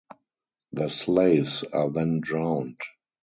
The slaves are then drowned.